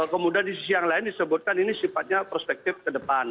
kemudian di sisi yang lain disebutkan ini sifatnya perspektif ke depan